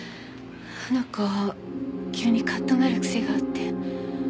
あの子急にカッとなる癖があって。